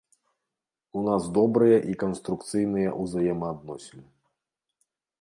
У нас добрыя і канструкцыйныя ўзаемаадносіны.